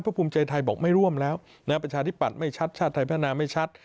ภูมิใจไทยบอกไม่ร่วมแล้วประชาธิปัตย์ไม่ชัดชาติไทยพัฒนาไม่ชัด